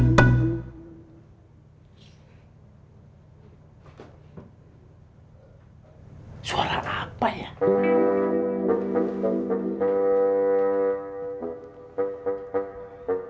nonton orang kaya saja susah